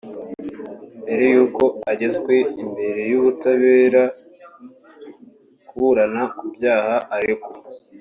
mbere y'uko agezwe imbere y'ubutabera kuburana kubyaha aregwa